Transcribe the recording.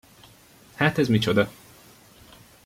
Hát ez micsoda?